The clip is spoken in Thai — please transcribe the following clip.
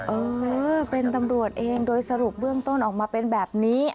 เออเป็นตำรวจเองโดยสรุปเบื้องต้นออกมาเป็นแบบนี้